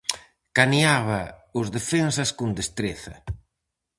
Caneaba os defensas con destreza.